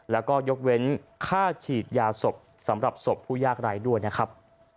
แล้วก็ยกเว้นค่าฉีดยาศพสำหรับศพผู้ยากไร้ด้วยนะครับ